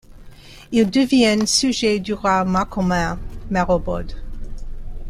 Ils deviennent sujets du roi marcoman Marobod.